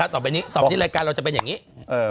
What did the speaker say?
ต่อไปรายการเราจะเป็นอย่างนี้